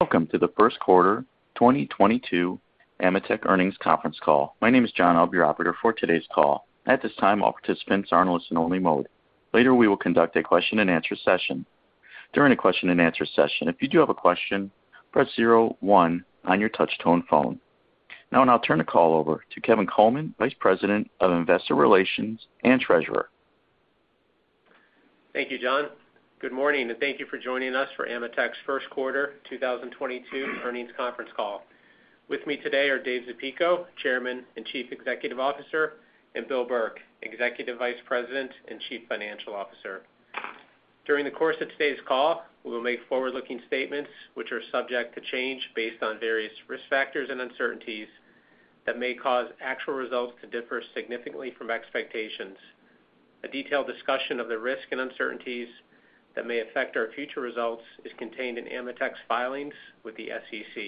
Welcome to the first quarter 2022 AMETEK earnings conference call. My name is John. I'll be your operator for today's call. At this time, all participants are in listen only mode. Later, we will conduct a question-and-answer session. During the question-and-answer session, if you do have a question, press zero one on your touchtone phone. Now, I'll turn the call over to Kevin Coleman, Vice President of Investor Relations and Treasurer. Thank you, John. Good morning, and thank you for joining us for AMETEK's first quarter 2022 earnings conference call. With me today are Dave Zapico, Chairman and Chief Executive Officer, and Bill Burke, Executive Vice President and Chief Financial Officer. During the course of today's call, we will make forward-looking statements which are subject to change based on various risk factors and uncertainties that may cause actual results to differ significantly from expectations. A detailed discussion of the risk and uncertainties that may affect our future results is contained in AMETEK's filings with the SEC.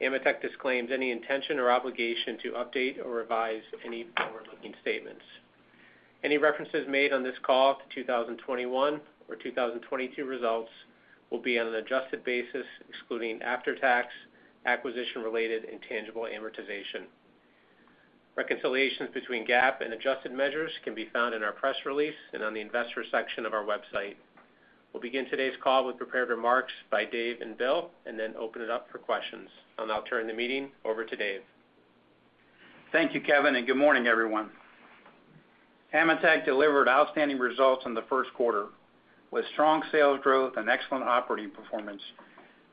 AMETEK disclaims any intention or obligation to update or revise any forward-looking statements. Any references made on this call to 2021 or 2022 results will be on an adjusted basis, excluding after-tax acquisition-related intangible amortization. Reconciliations between GAAP and adjusted measures can be found in our press release and on the investor section of our website. We'll begin today's call with prepared remarks by Dave and Bill, and then open it up for questions. I'll now turn the meeting over to Dave. Thank you, Kevin, and good morning, everyone. AMETEK delivered outstanding results in the first quarter, with strong sales growth and excellent operating performance,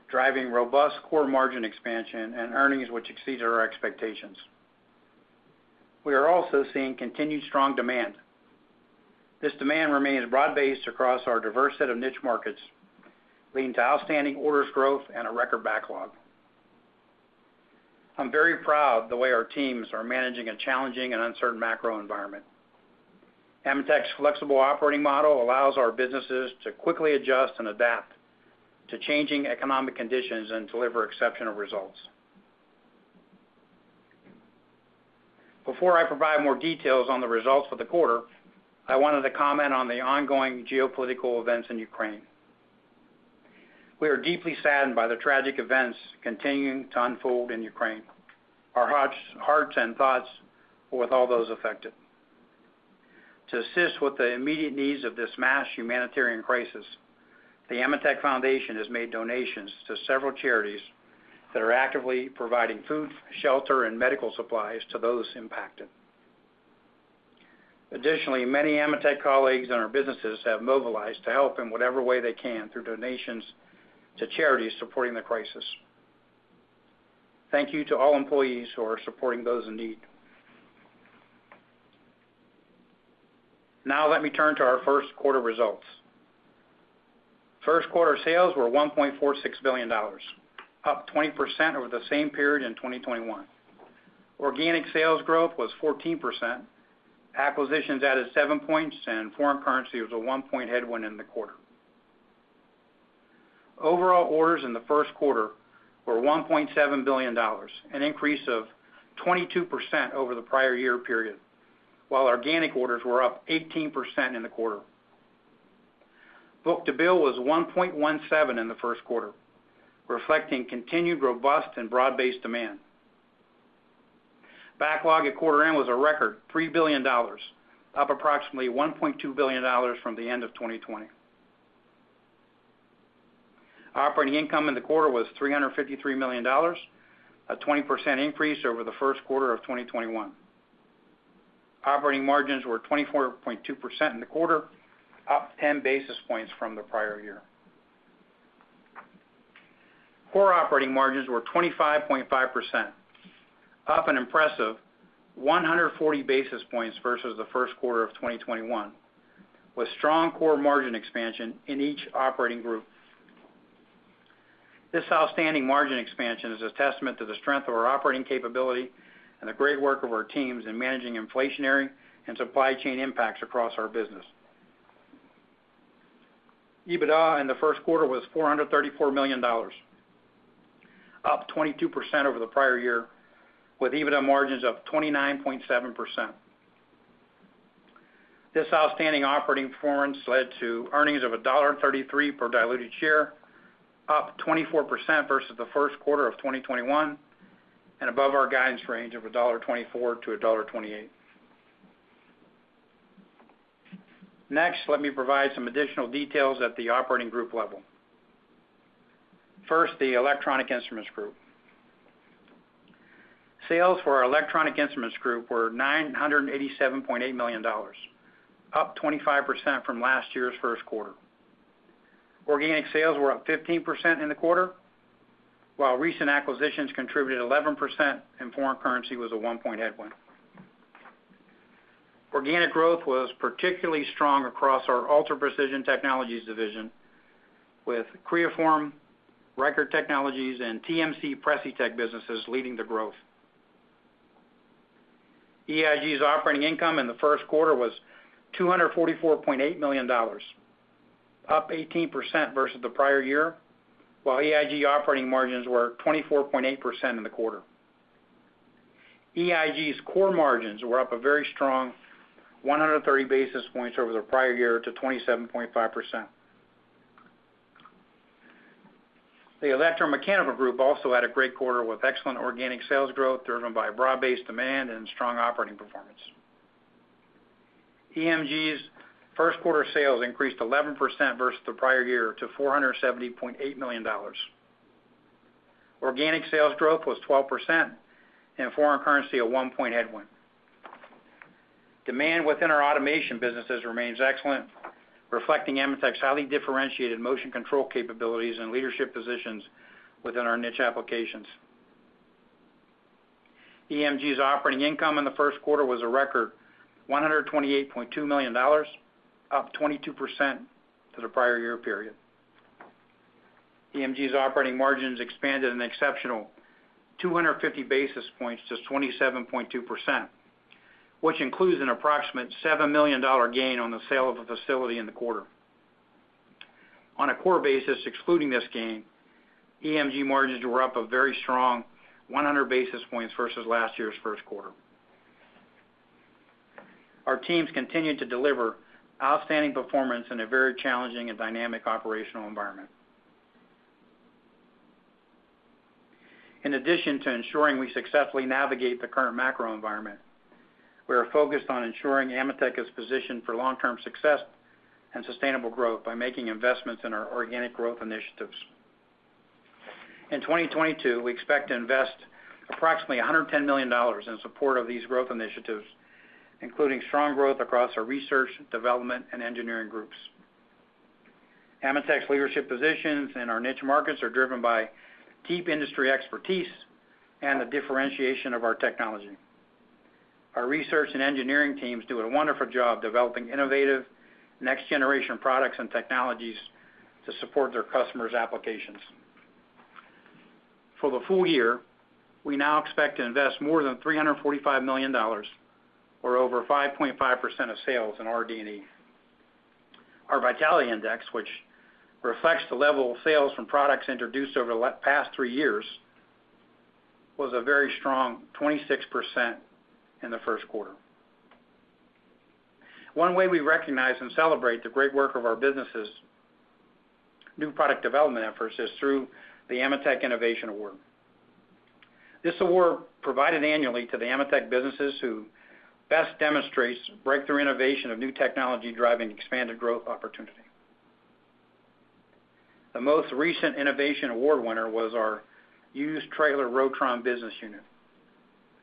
driving robust core margin expansion and earnings which exceeded our expectations. We are also seeing continued strong demand. This demand remains broad-based across our diverse set of niche markets, leading to outstanding orders growth and a record backlog. I'm very proud the way our teams are managing a challenging and uncertain macro environment. AMETEK's flexible operating model allows our businesses to quickly adjust and adapt to changing economic conditions and deliver exceptional results. Before I provide more details on the results for the quarter, I wanted to comment on the ongoing geopolitical events in Ukraine. We are deeply saddened by the tragic events continuing to unfold in Ukraine. Our hearts and thoughts with all those affected. To assist with the immediate needs of this mass humanitarian crisis, the AMETEK Foundation has made donations to several charities that are actively providing food, shelter, and medical supplies to those impacted. Additionally, many AMETEK colleagues in our businesses have mobilized to help in whatever way they can through donations to charities supporting the crisis. Thank you to all employees who are supporting those in need. Now let me turn to our first quarter results. First quarter sales were $1.46 billion, up 20% over the same period in 2021. Organic sales growth was 14%. Acquisitions added Seven points, and foreign currency was a one point headwind in the quarter. Overall orders in the first quarter were $1.7 billion, an increase of 22% over the prior year period, while organic orders were up 18% in the quarter. Book-to-bill was 1.17 in the first quarter, reflecting continued robust and broad-based demand. Backlog at quarter end was a record $3 billion, up approximately $1.2 billion from the end of 2020. Operating income in the quarter was $353 million, a 20% increase over the first quarter of 2021. Operating margins were 24.2% in the quarter, up 10 basis points from the prior year. Core operating margins were 25.5%, up an impressive 140 basis points versus the first quarter of 2021, with strong core margin expansion in each operating group. This outstanding margin expansion is a testament to the strength of our operating capability and the great work of our teams in managing inflationary and supply chain impacts across our business. EBITDA in the first quarter was $434 million, up 22% over the prior year, with EBITDA margins of 29.7%. This outstanding operating performance led to earnings of $1.33 per diluted share, up 24% versus the first quarter of 2021, and above our guidance range of $1.24-$1.28. Next, let me provide some additional details at the operating group level. First, the Electronic Instruments Group. Sales for our Electronic Instruments Group were $987.8 million, up 25% from last year's first quarter. Organic sales were up 15% in the quarter, while recent acquisitions contributed 11%, and foreign currency was a one-point headwind. Organic growth was particularly strong across our Ultra Precision Technologies division, with Creaform, Reichert Technologies, and TMC Precitech businesses leading the growth. EIG's operating income in the first quarter was $244.8 million, up 18% versus the prior year, while EIG operating margins were 24.8% in the quarter. EIG's core margins were up a very strong 130 basis points over the prior year to 27.5%. The Electromechanical Group also had a great quarter with excellent organic sales growth, driven by broad-based demand and strong operating performance. EMG's first quarter sales increased 11% versus the prior year to $470.8 million. Organic sales growth was 12% and foreign currency a one point headwind. Demand within our automation businesses remains excellent, reflecting AMETEK's highly differentiated motion control capabilities and leadership positions within our niche applications. EMG's operating income in the first quarter was a record $128.2 million, up 22% to the prior year period. EMG's operating margins expanded an exceptional 250 basis points to 27.2%, which includes an approximate $7 million gain on the sale of a facility in the quarter. On a core basis, excluding this gain, EMG margins were up a very strong 100 basis points versus last year's first quarter. Our teams continued to deliver outstanding performance in a very challenging and dynamic operational environment. In addition to ensuring we successfully navigate the current macro environment, we are focused on ensuring AMETEK is positioned for long-term success and sustainable growth by making investments in our organic growth initiatives. In 2022, we expect to invest approximately $110 million in support of these growth initiatives, including strong growth across our research, development, and engineering groups. AMETEK's leadership positions in our niche markets are driven by deep industry expertise and the differentiation of our technology. Our research and engineering teams do a wonderful job developing innovative next-generation products and technologies to support their customers' applications. For the full year, we now expect to invest more than $345 million or over 5.5% of sales in RD&E. Our vitality index, which reflects the level of sales from products introduced over the past three years, was a very strong 26% in the first quarter. One way we recognize and celebrate the great work of our businesses' new product development efforts is through the AMETEK Innovation Award. This award provided annually to the AMETEK businesses who best demonstrates breakthrough innovation of new technology driving expanded growth opportunity. The most recent Innovation Award winner was our Hughes-Treitler / Rotron business unit,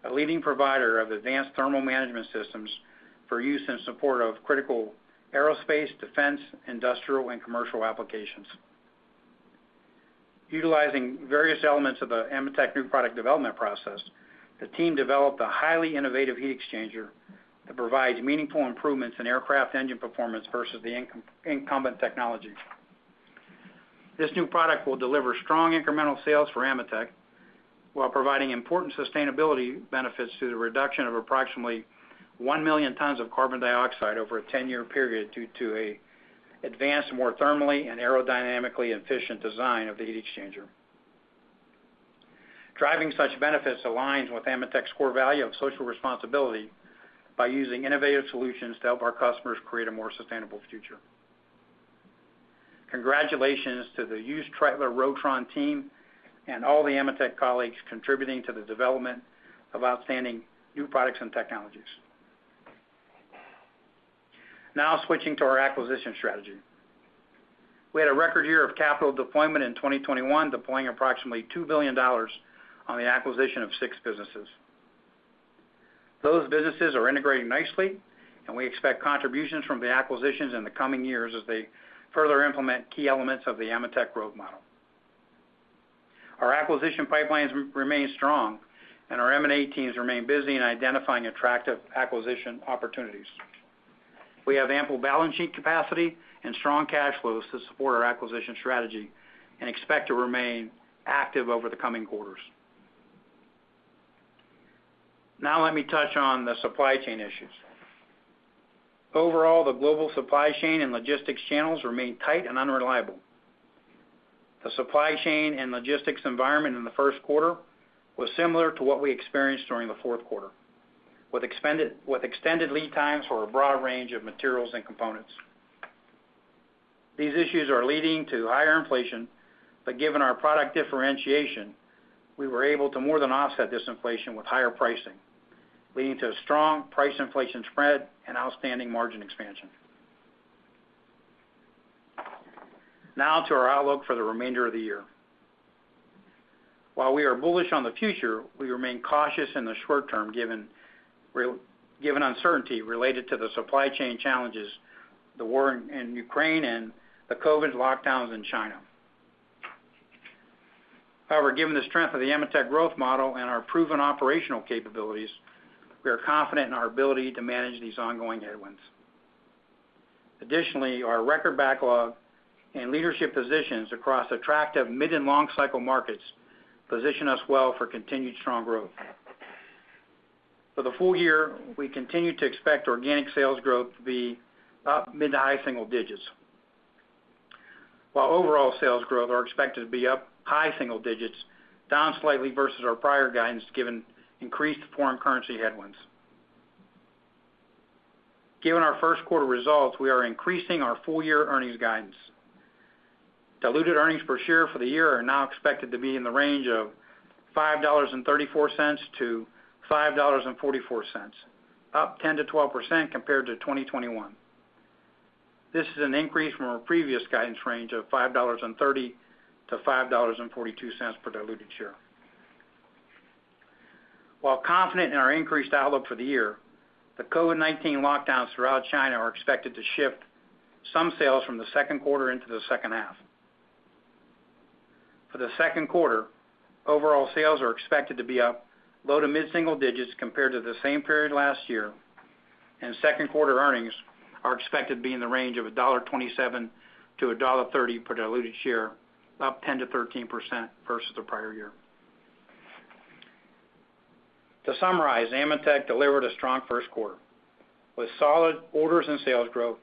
a leading provider of advanced thermal management systems for use in support of critical aerospace, defense, industrial, and commercial applications. Utilizing various elements of the AMETEK new product development process, the team developed a highly innovative heat exchanger that provides meaningful improvements in aircraft engine performance versus the incumbent technology. This new product will deliver strong incremental sales for AMETEK while providing important sustainability benefits through the reduction of approximately 1 million tons of carbon dioxide over a 10-year period due to an advanced, more thermally and aerodynamically efficient design of the heat exchanger. Driving such benefits aligns with AMETEK's core value of social responsibility by using innovative solutions to help our customers create a more sustainable future. Congratulations to the Hughes-Treitler Rotron team and all the AMETEK colleagues contributing to the development of outstanding new products and technologies. Now switching to our acquisition strategy. We had a record year of capital deployment in 2021, deploying approximately $2 billion on the acquisition of six businesses. Those businesses are integrating nicely, and we expect contributions from the acquisitions in the coming years as they further implement key elements of the AMETEK Growth Model. Our acquisition pipelines remain strong, and our M&A teams remain busy in identifying attractive acquisition opportunities. We have ample balance sheet capacity and strong cash flows to support our acquisition strategy and expect to remain active over the coming quarters. Now let me touch on the supply chain issues. Overall, the global supply chain and logistics channels remain tight and unreliable. The supply chain and logistics environment in the first quarter was similar to what we experienced during the fourth quarter, with extended lead times for a broad range of materials and components. These issues are leading to higher inflation, but given our product differentiation, we were able to more than offset this inflation with higher pricing, leading to a strong price inflation spread and outstanding margin expansion. Now to our outlook for the remainder of the year. While we are bullish on the future, we remain cautious in the short term, given uncertainty related to the supply chain challenges, the war in Ukraine, and the COVID lockdowns in China. However, given the strength of the AMETEK Growth Model and our proven operational capabilities, we are confident in our ability to manage these ongoing headwinds. Additionally, our record backlog and leadership positions across attractive mid- and long-cycle markets position us well for continued strong growth. For the full year, we continue to expect organic sales growth to be mid-high-single digits%. While overall sales growth is expected to be up high-single digits%, down slightly versus our prior guidance, given increased foreign currency headwinds. Given our first quarter results, we are increasing our full-year earnings guidance. Diluted earnings per share for the year are now expected to be in the range of $5.34-$5.44, up 10%-12% compared to 2021. This is an increase from our previous guidance range of $5.30-$5.42 per diluted share. While confident in our increased outlook for the year, the COVID-19 lockdowns throughout China are expected to shift some sales from the second quarter into the second half. For the second quarter, overall sales are expected to be up low- to mid-single digits compared to the same period last year, and second quarter earnings are expected to be in the range of $1.27-$1.30 per diluted share, up 10%-13% versus the prior year. To summarize, AMETEK delivered a strong first quarter with solid orders and sales growth,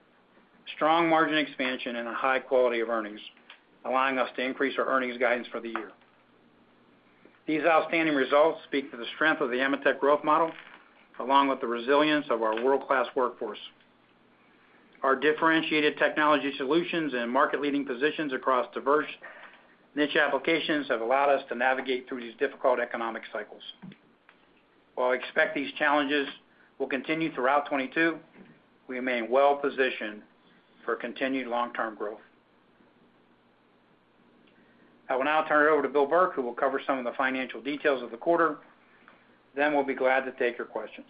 strong margin expansion, and a high quality of earnings, allowing us to increase our earnings guidance for the year. These outstanding results speak to the strength of the AMETEK Growth Model, along with the resilience of our world-class workforce. Our differentiated technology solutions and market-leading positions across diverse niche applications have allowed us to navigate through these difficult economic cycles. While we expect these challenges will continue throughout 2022, we remain well positioned for continued long-term growth. I will now turn it over to Bill Burke, who will cover some of the financial details of the quarter. Then we'll be glad to take your questions.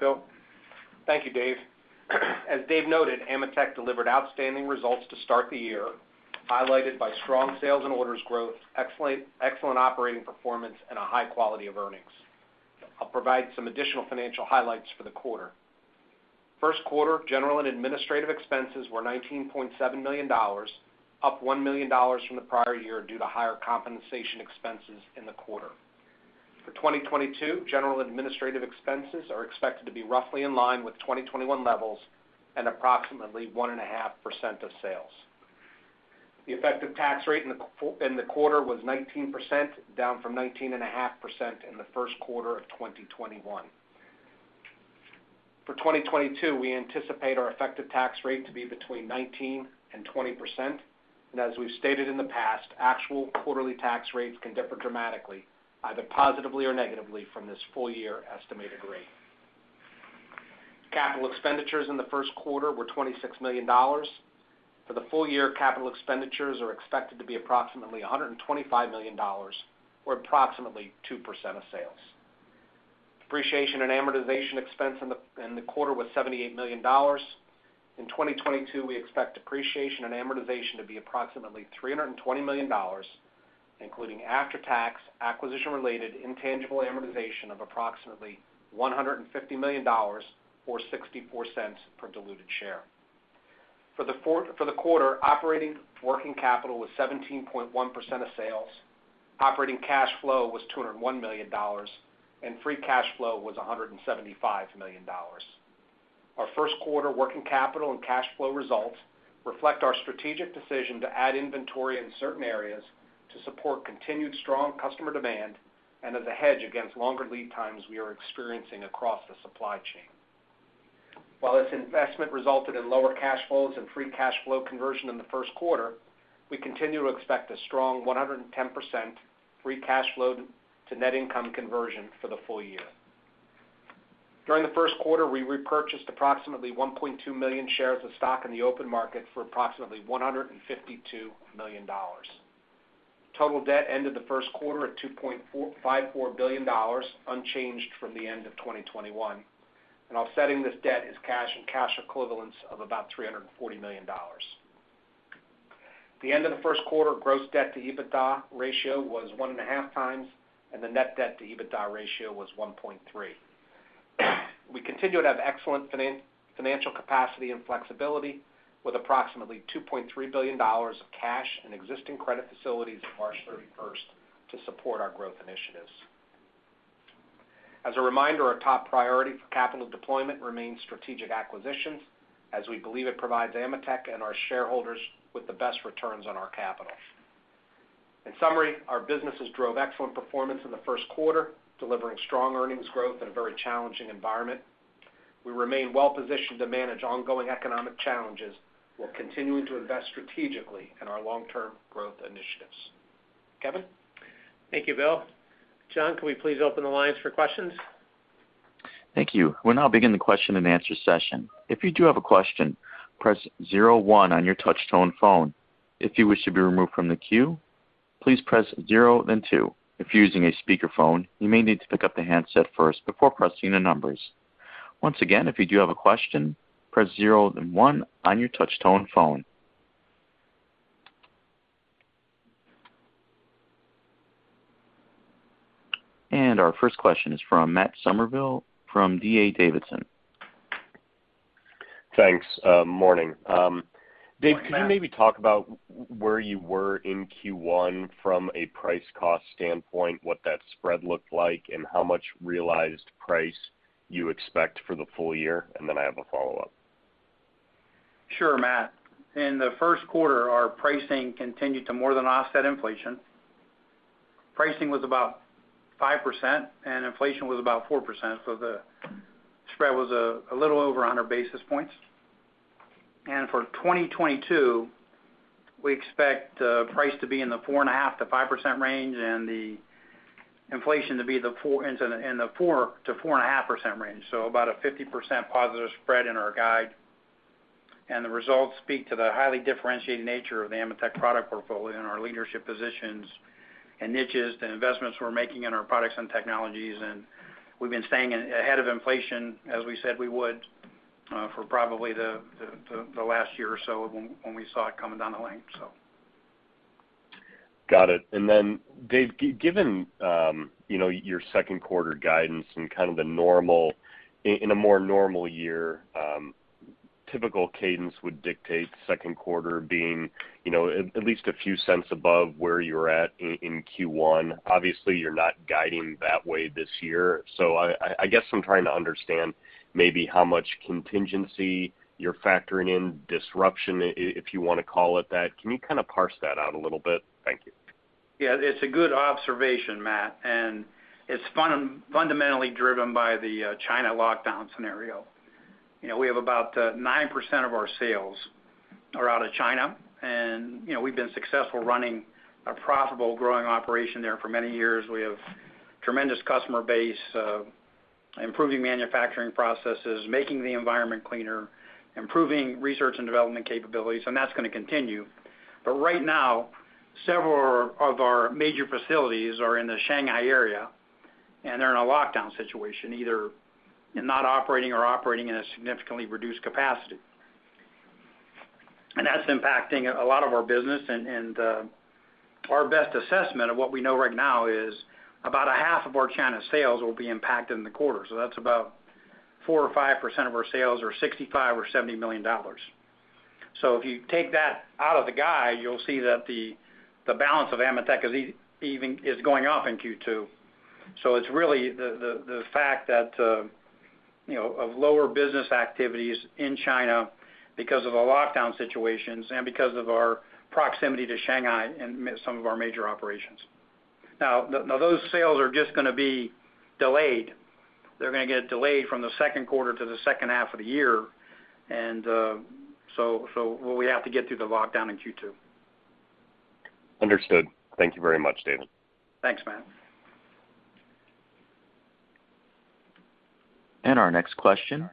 Bill? Thank you, Dave. As Dave noted, AMETEK delivered outstanding results to start the year, highlighted by strong sales and orders growth, excellent operating performance, and a high quality of earnings. I'll provide some additional financial highlights for the quarter. First quarter, general and administrative expenses were $19.7 million, up $1 million from the prior year due to higher compensation expenses in the quarter. For 2022, general and administrative expenses are expected to be roughly in line with 2021 levels at approximately 1.5% of sales. The effective tax rate in the quarter was 19%, down from 19.5% in the first quarter of 2021. For 2022, we anticipate our effective tax rate to be between 19% and 20%, and as we've stated in the past, actual quarterly tax rates can differ dramatically, either positively or negatively from this full year estimated rate. Capital expenditures in the first quarter were $26 million. For the full year, capital expenditures are expected to be approximately $125 million or approximately 2% of sales. Depreciation and amortization expense in the quarter was $78 million. In 2022, we expect depreciation and amortization to be approximately $320 million, including after-tax acquisition-related intangible amortization of approximately $150 million or $0.64 per diluted share. For the quarter, operating working capital was 17.1% of sales. Operating cash flow was $201 million, and free cash flow was $175 million. Our first quarter working capital and cash flow results reflect our strategic decision to add inventory in certain areas to support continued strong customer demand and as a hedge against longer lead times we are experiencing across the supply chain. While this investment resulted in lower cash flows and free cash flow conversion in the first quarter, we continue to expect a strong 110% free cash flow to net income conversion for the full year. During the first quarter, we repurchased approximately 1.2 million shares of stock in the open market for approximately $152 million. Total debt ended the first quarter at $2.454 billion, unchanged from the end of 2021. Offsetting this debt is cash and cash equivalents of about $340 million. The end of the first quarter gross debt to EBITDA ratio was 1.5x, and the net debt to EBITDA ratio was 1.3x. We continue to have excellent financial capacity and flexibility with approximately $2.3 billion of cash and existing credit facilities at March 31 to support our growth initiatives. As a reminder, our top priority for capital deployment remains strategic acquisitions, as we believe it provides AMETEK and our shareholders with the best returns on our capital. In summary, our businesses drove excellent performance in the first quarter, delivering strong earnings growth in a very challenging environment. We remain well positioned to manage ongoing economic challenges, while continuing to invest strategically in our long-term growth initiatives. David? Thank you, Bill. John, can we please open the lines for questions? Thank you. We'll now begin the question-and-answer session. If you do have a question, press zero one on your touchtone phone. If you wish to be removed from the queue, please press zero then two. If you're using a speakerphone, you may need to pick up the handset first before pressing the numbers. Once again, if you do have a question, press zero then one on your touchtone phone. Our first question is from Matt Summerville from D.A. Davidson. Thanks, morning. Dave, could you maybe talk about where you were in Q1 from a price cost standpoint, what that spread looked like, and how much realized price you expect for the full year, and then I have a follow-up. Sure, Matt. In the first quarter, our pricing continued to more than offset inflation. Pricing was about 5% and inflation was about 4%, so the spread was a little over 100 basis points. For 2022, we expect price to be in the 4.5%-5% range and the inflation to be in the 4%-4.5% range. About a 50% positive spread in our guide. The results speak to the highly differentiated nature of the AMETEK product portfolio and our leadership positions and niches, the investments we're making in our products and technologies. We've been staying ahead of inflation, as we said we would, for probably the last year or so when we saw it coming down the line, so. Got it. Dave, given you know, your second quarter guidance and kind of the normal in a more normal year, typical cadence would dictate second quarter being you know at least a few cents above where you're at in Q1. Obviously, you're not guiding that way this year. I guess I'm trying to understand maybe how much contingency you're factoring in, disruption if you wanna call it that. Can you kind of parse that out a little bit? Thank you. Yeah, it's a good observation, Matt, and it's fundamentally driven by the China lockdown scenario. You know, we have about 9% of our sales out of China and, you know, we've been successful running a profitable growing operation there for many years. We have tremendous customer base, improving manufacturing processes, making the environment cleaner, improving research and development capabilities, and that's gonna continue. Right now, several of our major facilities are in the Shanghai area, and they're in a lockdown situation either not operating or operating in a significantly reduced capacity. That's impacting a lot of our business and our best assessment of what we know right now is about a half of our China sales will be impacted in the quarter. That's about 4% or 5% of our sales or $65 million or $70 million. If you take that out of the guide, you'll see that the balance of AMETEK is going up in Q2. It's really the fact that you know of lower business activities in China because of the lockdown situations and because of our proximity to Shanghai and some of our major operations. Now those sales are just gonna be delayed. They're gonna get delayed from the second quarter to the second half of the year. We have to get through the lockdown in Q2. Understood. Thank you very much, David. Thanks, Matt. Our next question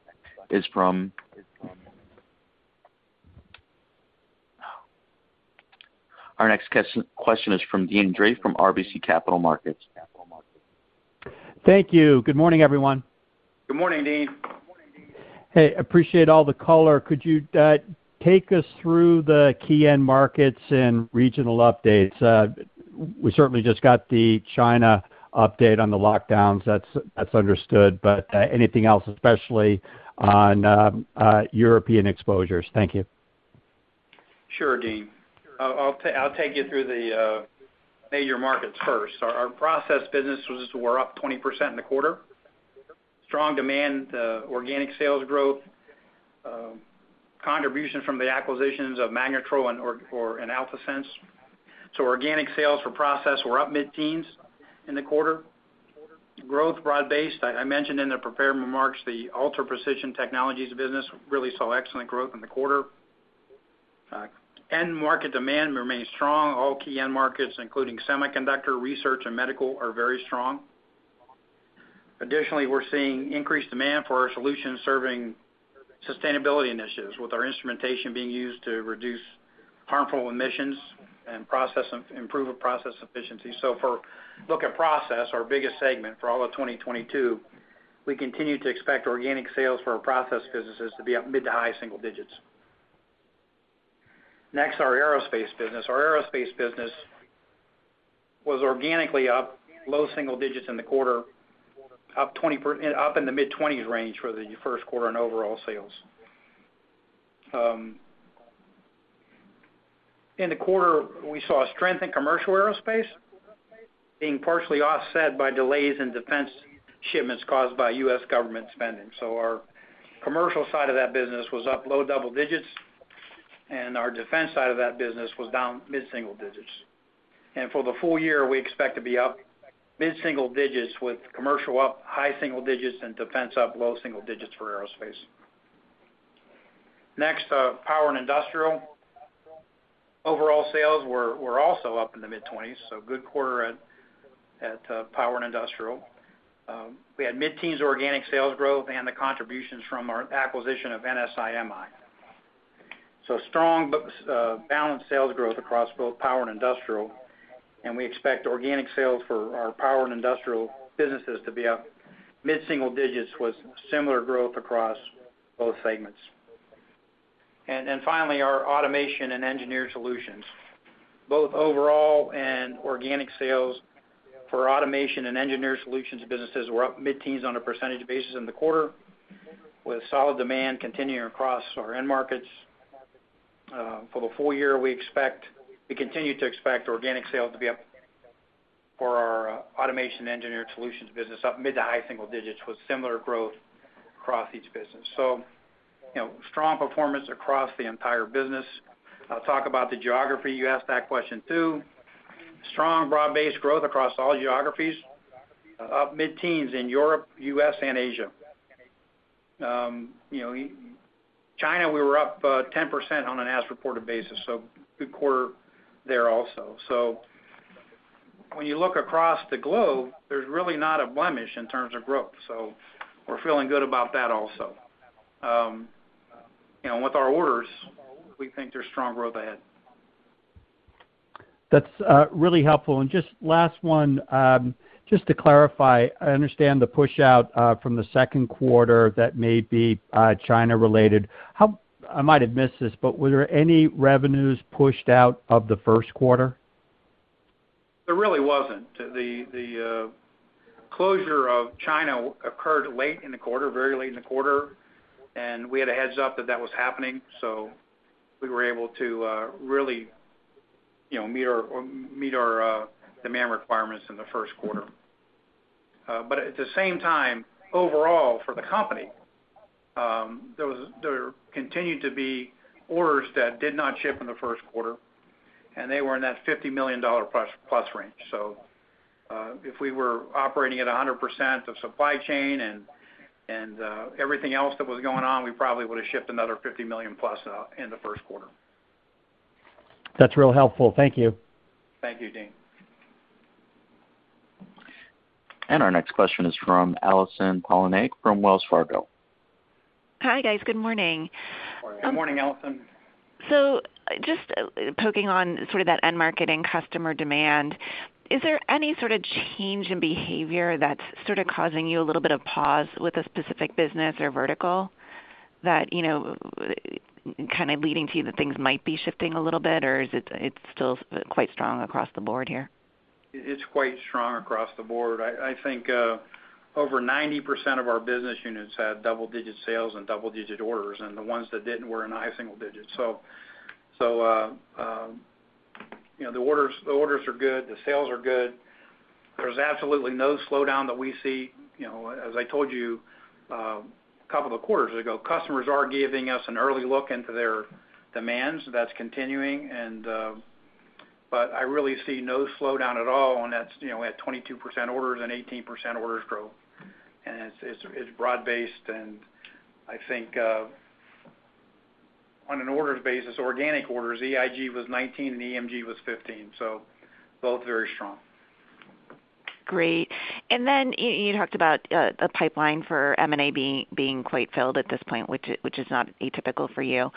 is from Deane Dray from RBC Capital Markets. Thank you. Good morning, everyone. Good morning, Deane. Hey, appreciate all the color. Could you take us through the key end markets and regional updates? We certainly just got the China update on the lockdowns. That's understood. Anything else, especially on European exposures? Thank you. Sure, Deane. I'll take you through the major markets first. Our process businesses were up 20% in the quarter. Strong demand, organic sales growth, contribution from the acquisitions of Magnetrol and Alphasense. Organic sales for process were up mid-teens in the quarter. Growth broad-based. I mentioned in the prepared remarks, the Ultra Precision Technologies business really saw excellent growth in the quarter. End market demand remains strong. All key end markets, including semiconductor, research and medical, are very strong. Additionally, we're seeing increased demand for our solutions serving sustainability initiatives, with our instrumentation being used to reduce harmful emissions and improve process efficiency. For our process, our biggest segment for all of 2022, we continue to expect organic sales for our process businesses to be up mid-high-single digits%. Next, our aerospace business. Our aerospace business was organically up low-single digits% in the quarter, up in the mid-20s range for the first quarter on overall sales. In the quarter, we saw a strength in commercial aerospace being partially offset by delays in defense shipments caused by U.S. government spending. Our commercial side of that business was up low-double digits%, and our defense side of that business was down mid-single digits%. For the full year, we expect to be up mid-single digits% with commercial up high-single digits% and defense up low-single digits% for aerospace. Next, power and industrial. Overall sales were also up in the mid-20s%, so good quarter at power and industrial. We had mid-teens% organic sales growth and the contributions from our acquisition of NSI-MI. Strong but balanced sales growth across both power and industrial, and we expect organic sales for our power and industrial businesses to be up mid-single digits% with similar growth across both segments. Finally, our automation and engineered solutions. Both overall and organic sales for automation and engineered solutions businesses were up mid-teens% on a percentage basis in the quarter, with solid demand continuing across our end markets. For the full year, we expect, we continue to expect organic sales to be up for our automation engineered solutions business up mid- to high-single digits% with similar growth across each business. You know, strong performance across the entire business. I'll talk about the geography. You asked that question too. Strong broad-based growth across all geographies, up mid-teens in Europe, U.S., and Asia. You know, China, we were up, 10% on an as-reported basis, so good quarter there also. When you look across the globe, there's really not a blemish in terms of growth, so we're feeling good about that also. With our orders, we think there's strong growth ahead. That's really helpful. Just last one, just to clarify, I understand the push out from the second quarter that may be China-related. I might have missed this, but were there any revenues pushed out of the first quarter? There really wasn't. The closure of China occurred late in the quarter, very late in the quarter, and we had a heads-up that that was happening, so we were able to really, you know, meet our demand requirements in the first quarter. But at the same time, overall for the company, there continued to be orders that did not ship in the first quarter, and they were in that $50 million plus range. If we were operating at 100% of supply chain and everything else that was going on, we probably would have shipped another $50 million plus in the first quarter. That's real helpful. Thank you. Thank you, Deane. Our next question is from Allison Poliniak from Wells Fargo. Hi, guys. Good morning. Good morning, Allison. Just poking on sort of that end-market customer demand, is there any sort of change in behavior that's sort of causing you a little bit of pause with a specific business or vertical that, you know, kind of leading to you that things might be shifting a little bit, or is it still quite strong across the board here? It's quite strong across the board. I think over 90% of our business units had double-digit sales and double-digit orders, and the ones that didn't were in high single digits. You know, the orders are good, the sales are good. There's absolutely no slowdown that we see. You know, as I told you a couple of quarters ago, customers are giving us an early look into their demands. That's continuing, but I really see no slowdown at all, and that's you know, we had 22% orders and 18% orders growth. It's broad-based, and I think on an orders basis, organic orders, EIG was 19% and EMG was 15%, so both very strong. Great. Then you talked about the pipeline for M&A being quite filled at this point, which is not atypical for you.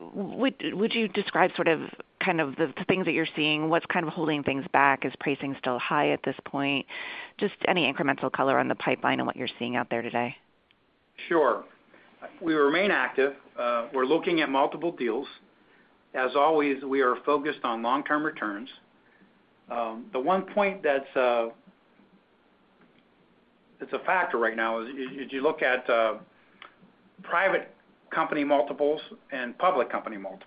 Would you describe sort of, kind of the things that you're seeing? What's kind of holding things back? Is pricing still high at this point? Just any incremental color on the pipeline and what you're seeing out there today? Sure. We remain active. We're looking at multiple deals. As always, we are focused on long-term returns. The one point that's a factor right now is if you look at private company multiples and public company multiples.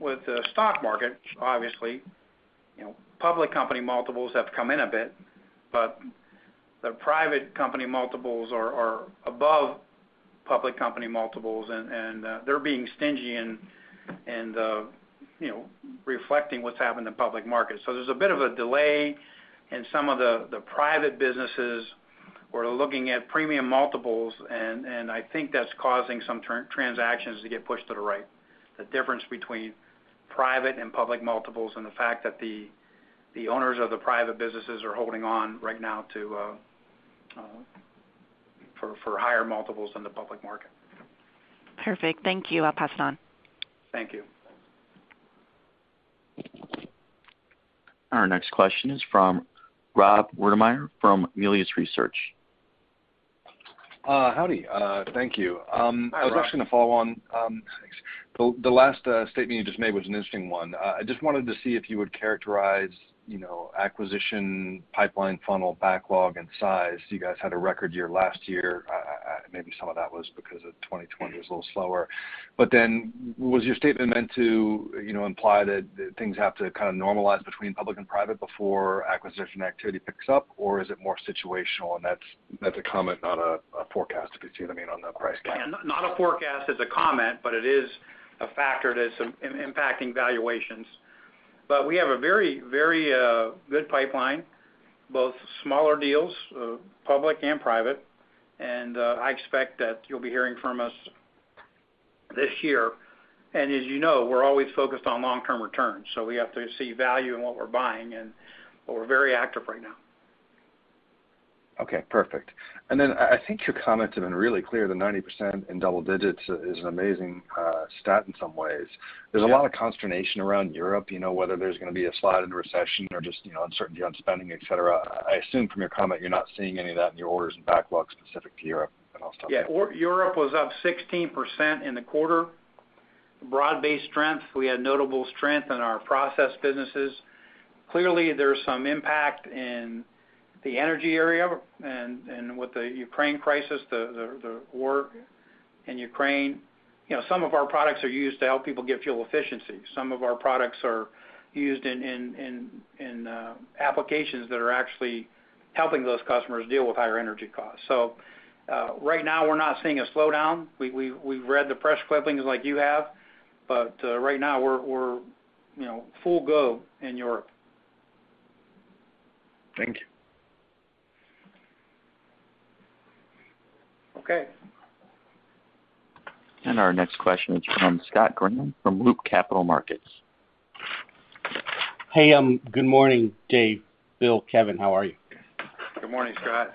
With the stock market, obviously, you know, public company multiples have come in a bit, but the private company multiples are above public company multiples, and they're being stingy, you know, reflecting what's happened in public markets. There's a bit of a delay in some of the private businesses. We're looking at premium multiples, and I think that's causing some transactions to get pushed to the right. The difference between private and public multiples and the fact that the owners of the private businesses are holding on right now to for higher multiples than the public market. Perfect. Thank you. I'll pass it on. Thank you. Our next question is from Rob Wertheimer from Melius Research. Howdy. Thank you. Hi, Rob. I was actually gonna follow on, the last statement you just made was an interesting one. I just wanted to see if you would characterize, you know, acquisition pipeline funnel backlog and size. You guys had a record year last year. Maybe some of that was because 2020 was a little slower. Then was your statement meant to, you know, imply that things have to kind of normalize between public and private before acquisition activity picks up, or is it more situational? That's a comment, not a forecast, if you see what I mean, on the price point. Not a forecast. It's a comment, but it is a factor that's impacting valuations. We have a very good pipeline, both smaller deals, public and private. I expect that you'll be hearing from us this year. As you know, we're always focused on long-term returns, so we have to see value in what we're buying, but we're very active right now. Okay, perfect. I think your comments have been really clear that 90% in double digits is an amazing stat in some ways. There's a lot of consternation around Europe, you know, whether there's gonna be a slide into recession or just, you know, uncertainty on spending, et cetera. I assume from your comment, you're not seeing any of that in your orders and backlogs specific to Europe. I'll stop there. Yeah. Europe was up 16% in the quarter. Broad-based strength. We had notable strength in our process businesses. Clearly, there's some impact in the energy area and with the Ukraine crisis, the war in Ukraine. You know, some of our products are used to help people get fuel efficiency. Some of our products are used in applications that are actually helping those customers deal with higher energy costs. Right now we're not seeing a slowdown. We've read the press clippings like you have, but right now we're, you know, full go in Europe. Thank you. Okay. Our next question is from Scott Graham from Loop Capital Markets. Hey, good morning, Dave, Bill, Kevin. How are you? Good morning, Scott.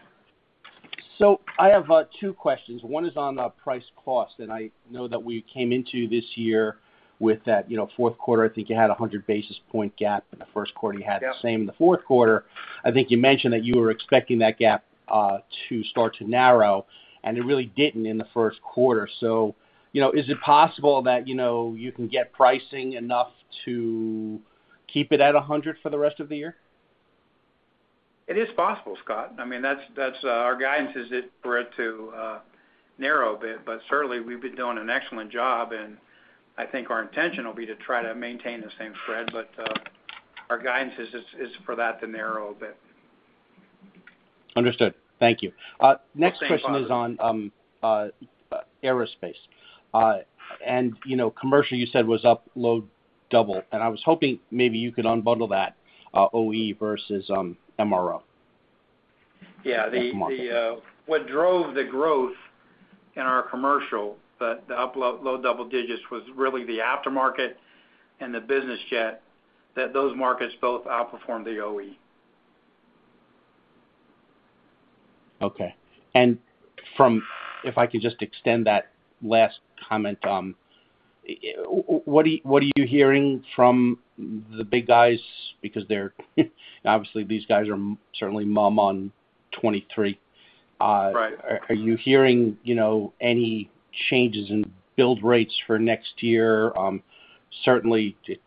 I have two questions. One is on price cost. I know that we came into this year with that, you know, fourth quarter. I think you had a 100 basis point gap. In the first quarter, you had-. Yep. The same in the fourth quarter. I think you mentioned that you were expecting that gap to start to narrow, and it really didn't in the first quarter. You know, is it possible that, you know, you can get pricing enough to keep it at 100 for the rest of the year? It is possible, Scott. I mean, that's our guidance is for it to narrow a bit, but certainly we've been doing an excellent job, and I think our intention will be to try to maintain the same spread. Our guidance is for that to narrow a bit. Understood. Thank you. Next question. Same thought. is on aerospace. You know, commercial you said was up low double, and I was hoping maybe you could unbundle that, OE versus MRO. Yeah. The market. What drove the growth in our commercial overall low double digits was really the aftermarket and the business jet, those markets both outperformed the OE. Okay. If I could just extend that last comment, what are you hearing from the big guys because they're obviously these guys are certainly mum on 2023. Right. Are you hearing, you know, any changes in build rates for next year? Certainly it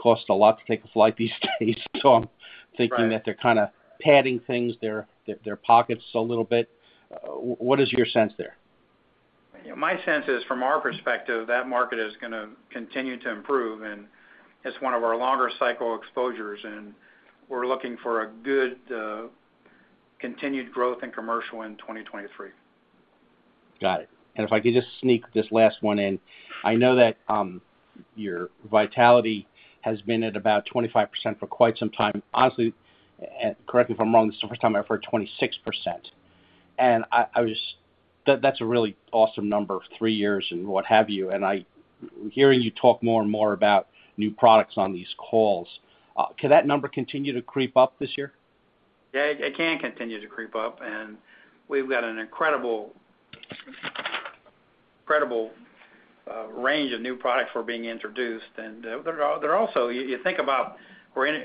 costs a lot to take a flight these days, so I'm. Right. Thinking that they're kind of padding things, their pockets a little bit. What is your sense there? My sense is from our perspective, that market is gonna continue to improve, and it's one of our longer cycle exposures, and we're looking for a good, continued growth in commercial in 2023. Got it. If I could just sneak this last one in. I know that your vitality has been at about 25% for quite some time. Honestly, and correct me if I'm wrong, this is the first time I've heard 26%. That's a really awesome number, three years and what have you, and I'm hearing you talk more and more about new products on these calls. Could that number continue to creep up this year? Yeah, it can continue to creep up, and we've got an incredible range of new products were being introduced. And they're also, you think about we're in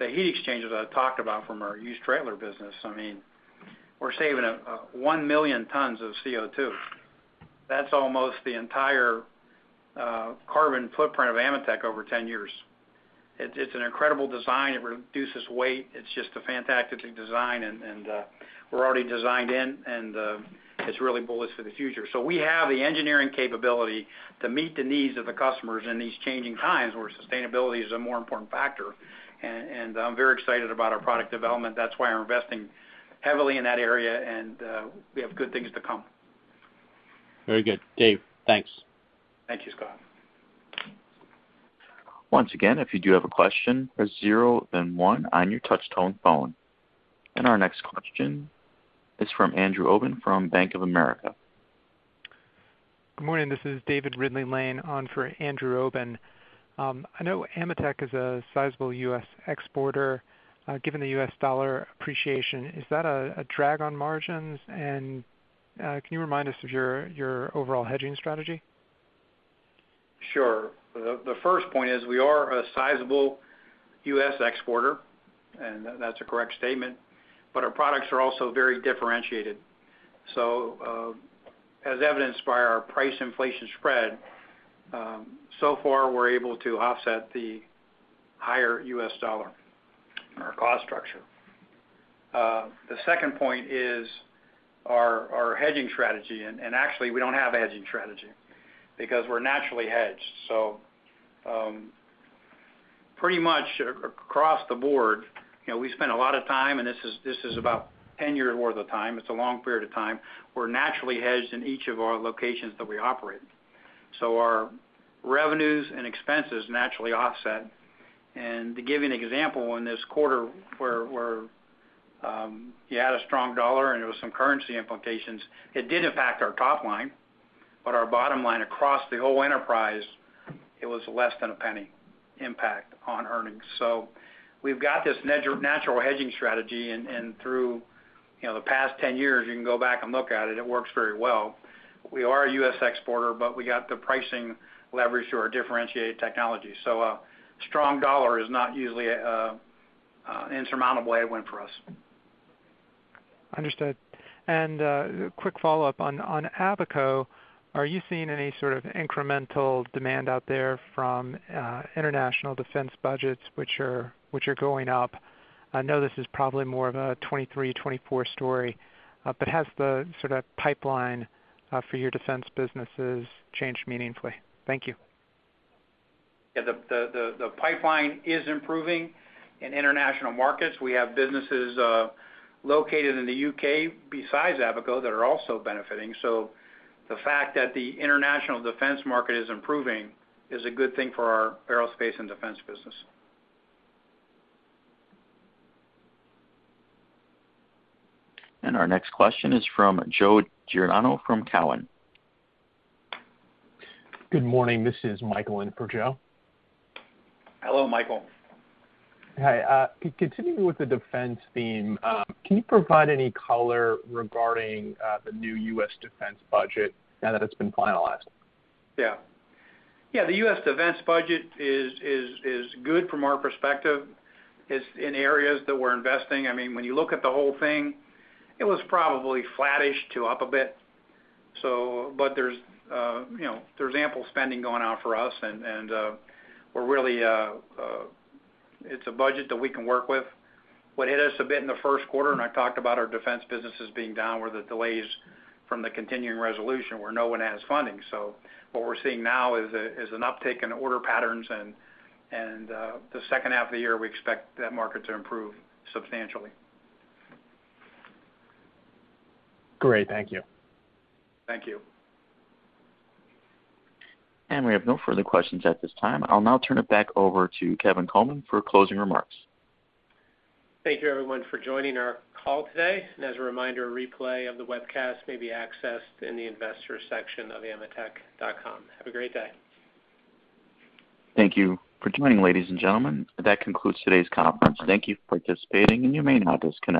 the heat exchangers I talked about from our Hughes-Treitler business, I mean, we're saving 1 million tons of CO2. That's almost the entire carbon footprint of AMETEK over 10-years. It's an incredible design. It reduces weight. It's just a fantastic design and we're already designed in and it's really bullish for the future. We have the engineering capability to meet the needs of the customers in these changing times, where sustainability is a more important factor. I'm very excited about our product development. That's why we're investing heavily in that area and we have good things to come. Very good, Dave. Thanks. Thank you, Scott. Once again, if you do have a question, press zero then one on your touch tone phone. Our next question is from Andrew Obin from Bank of America. Good morning. This is David Ridley-Lane on for Andrew Obin. I know AMETEK is a sizable U.S. exporter. Given the US dollar appreciation, is that a drag on margins? Can you remind us of your overall hedging strategy? Sure. The first point is we are a sizable U.S. exporter, and that's a correct statement, but our products are also very differentiated. As evidenced by our price inflation spread, so far we're able to offset the higher US dollar in our cost structure. The second point is our hedging strategy. Actually we don't have a hedging strategy because we're naturally hedged. Pretty much across the board, you know, we spend a lot of time, and this is about 10-years' worth of time. It's a long period of time. We're naturally hedged in each of our locations that we operate. Our revenues and expenses naturally offset. To give you an example, in this quarter where you had a strong dollar and there was some currency implications, it did impact our top line, but our bottom line across the whole enterprise, it was less than a penny impact on earnings. We've got this natural hedging strategy and through, you know, the past 10-years, you can go back and look at it works very well. We are a U.S. exporter, but we got the pricing leverage through our differentiated technology. A strong dollar is not usually a insurmountable headwind for us. Understood. Quick follow-up on Abaco. Are you seeing any sort of incremental demand out there from international defense budgets which are going up? I know this is probably more of a 2023, 2024 story, but has the sort of pipeline for your defense businesses changed meaningfully? Thank you. Yeah. The pipeline is improving in international markets. We have businesses located in the U.K. besides Abaco that are also benefiting. The fact that the international defense market is improving is a good thing for our aerospace and defense business. Our next question is from Joe Giordano from Cowen. Good morning. This is Michael in for Joe. Hello, Michael. Hi. Continuing with the defense theme, can you provide any color regarding the new U.S. defense budget now that it's been finalized? Yeah. Yeah, the U.S. defense budget is good from our perspective. It's in areas that we're investing. I mean, when you look at the whole thing, it was probably flattish to up a bit. But there's, you know, there's ample spending going on for us and it's a budget that we can work with. What hit us a bit in the first quarter, and I talked about our defense businesses being down, were the delays from the continuing resolution where no one has funding. What we're seeing now is an uptick in order patterns and the second half of the year we expect that market to improve substantially. Great. Thank you. Thank you. We have no further questions at this time. I'll now turn it back over to Kevin Coleman for closing remarks. Thank you everyone for joining our call today. As a reminder, a replay of the webcast may be accessed in the investor section of ametek.com. Have a great day. Thank you for joining, ladies and gentlemen. That concludes today's conference. Thank you for participating and you may now disconnect.